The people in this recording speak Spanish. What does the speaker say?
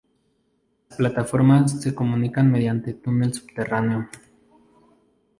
Las plataformas se comunican mediante túnel subterráneo.